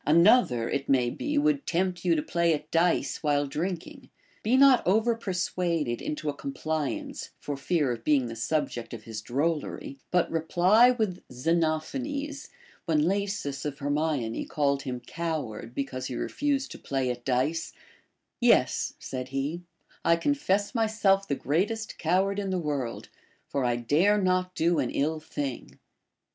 Another, it may be, would tempt you to play at dice while drinking ; be riot over persuaded into a compliance, for fear of being the subject of his drollery, but reply with Xenophanes, when Lasus of Hermione called him coward because he refused to play at dice : Yes, said he, I confess myself the greatest cow ard in the world, for I dare not do an ill thing.